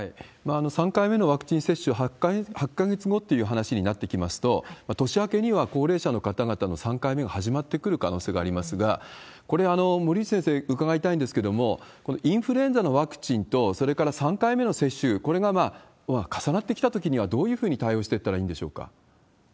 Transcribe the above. ３回目のワクチン接種、８か月後という話になってきますと、年明けには高齢者の方々の３回目が始まってくる可能性がありますが、これ、森内先生、伺いたいんですけれども、このインフルエンザのワクチンと、それから３回目の接種、これが重なってきたときには、どういうふうに対応していったらいいんでしょうか？